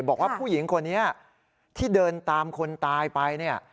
บอกว่าผู้หญิงคนนี้ที่เดินตามคนตายไปเนี่ย